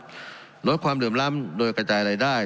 ลดความเหลื่อมล้ำโดยกระจายรายได้